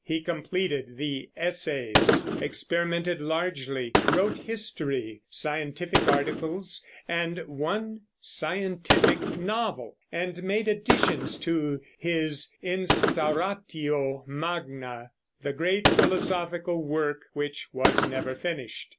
He completed the Essays, experimented largely, wrote history, scientific articles, and one scientific novel, and made additions to his Instauratio Magna, the great philosophical work which was never finished.